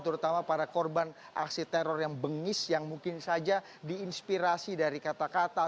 terutama para korban aksi teror yang bengis yang mungkin saja diinspirasi dari kata kata